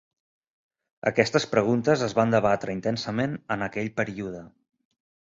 Aquestes preguntes es van debatre intensament en aquell període.